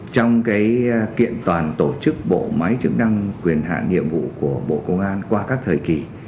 trong kiện toàn tổ chức bộ máy chức năng quyền hạn nhiệm vụ của bộ công an qua các thời kỳ